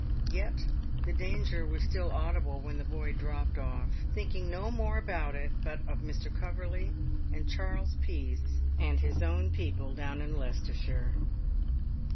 Yet the danger was still audible when the boy dropped off, thinking no more about it, but of Mr. Coverley and Charles Peace and his own people down in Leicestershire.